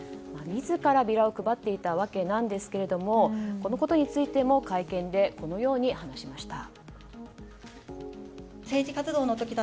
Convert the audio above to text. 自らビラを配っていたわけですがこのことについても会見でこのように話しました。